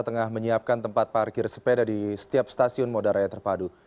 tengah menyiapkan tempat parkir sepeda di setiap stasiun moda raya terpadu